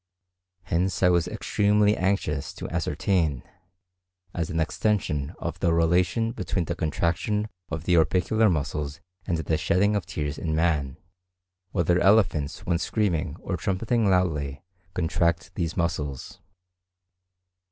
Hence I was extremely anxious to ascertain, as an extension of the relation between the contraction of the orbicular muscles and the shedding of tears in man, whether elephants when screaming or trumpeting loudly contract these muscles.